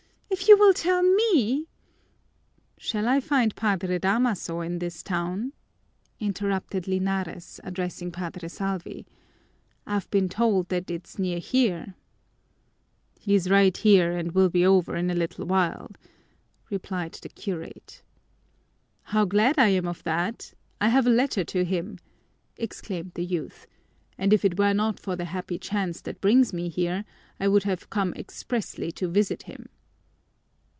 If you will tell me " "Shall I find Padre Damaso in his town?" interrupted Linares, addressing Padre Salvi. "I've been told that it's near here." "He's right here and will be over in a little while," replied the curate. "How glad I am of that! I have a letter to him," exclaimed the youth, "and if it were not for the happy chance that brings me here, I would have come expressly to visit him."